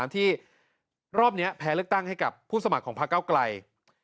ที่รอบนี้แพ้เลือกตั้งให้กับผู้สมัครของพระเก้าไกล